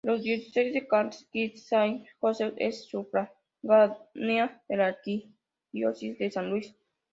La Diócesis de Kansas City-Saint Joseph es sufragánea de la Arquidiócesis de San Luis.